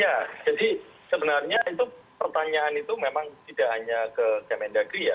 ya jadi sebenarnya itu pertanyaan itu memang tidak hanya ke kementerian negeri ya